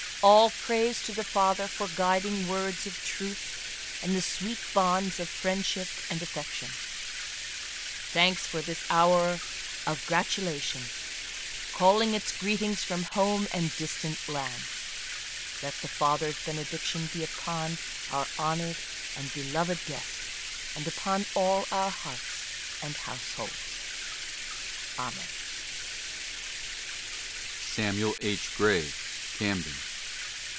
All praise to the Father for guiding words of truth and the sweet bonds of friendship and affection I Thanks for this hour of gratu lation, calling its greetings from home and distant lands / Let the Father* s benediction be upon our honored and be loved guest and upon all our hearts and households I Amen. (20) ADDRESSES. SAMUEL H. GREY: Camden.